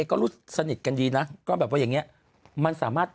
ก็รู้สนิทกันดีทั้งหมดนะ